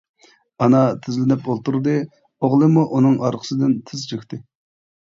ئانا تىزلىنىپ ئولتۇردى، ئوغلىمۇ ئۇنىڭ ئارقىسىدىن تىز چۆكتى.